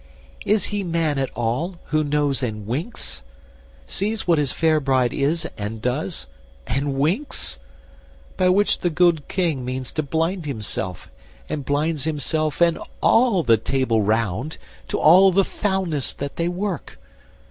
is he man at all, who knows and winks? Sees what his fair bride is and does, and winks? By which the good King means to blind himself, And blinds himself and all the Table Round To all the foulness that they work.